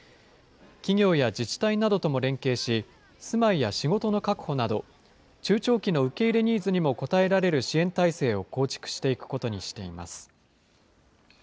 企業や自治体などとも連携し、住まいや仕事の確保など、中長期の受け入れニーズにも応えられる支援体制を構築していくことにしています。